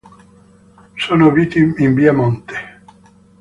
Sono siti in Via Monte.